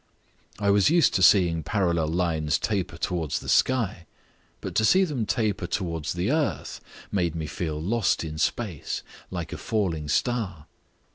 I was used to seeing parallel lines taper towards the sky. But to see them taper towards the earth made me feel lost in space, like a falling star.